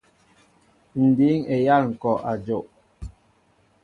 Ǹ dǐŋ eyâl ŋ̀kɔ' a jow.